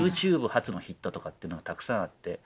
ＹｏｕＴｕｂｅ発のヒットとかっていうのがたくさんあって。